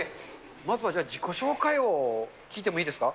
まずはじゃあ、自己紹介を聞いてもいいですか。